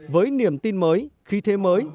với niềm tin mới khí thế mới